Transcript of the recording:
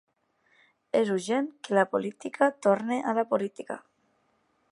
És urgent que la política torni a la política.